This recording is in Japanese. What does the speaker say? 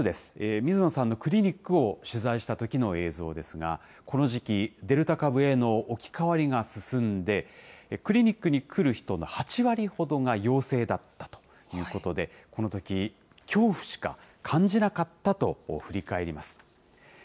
水野さんのクリニックを取材したときの映像ですが、この時期、デルタ株への置き換わりが進んで、クリニックに来る人の８割ほどが陽性だったということで、このとき、恐怖しか感じなかったと振り返ります。